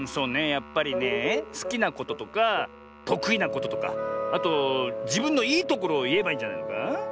やっぱりねえすきなこととかとくいなこととかあとじぶんのいいところをいえばいいんじゃないのか？